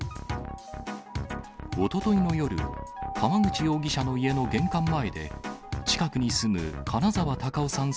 おとといの夜、川口容疑者の家の玄関前で、近くに住む金沢孝雄さん